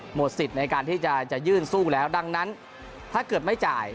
สิทธิ์ในการที่จะยื่นสู้แล้วดังนั้นถ้าเกิดไม่จ่าย